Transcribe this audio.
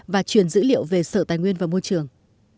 và truyền dữ liệu về sở tài nguyên và môi trường